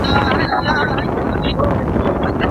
که معلومات ګډوډ وي نو ذهن ورخطا کیږي.